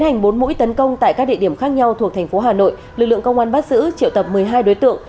hành bốn mũi tấn công tại các địa điểm khác nhau thuộc thành phố hà nội lực lượng công an bắt giữ triệu tập một mươi hai đối tượng